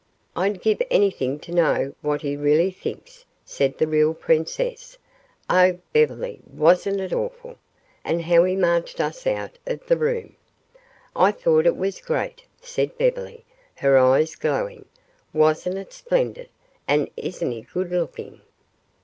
"I'd give anything to know what he really thinks," said the real princess. "Oh, Beverly, wasn't it awful? And how he marched us out of that room!" "I thought it was great," said Beverly, her eyes glowing. "Wasn't it splendid? And isn't he good looking?"